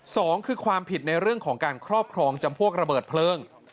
สองคือความผิดในเรื่องของการครอบครองจำพวกระเบิดเพลิง